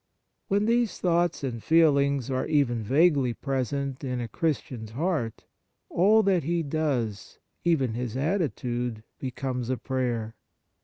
When these thoughts and feelings are even vaguely present in a Christian s heart, all that he does, even his atti tude, becomes a prayer.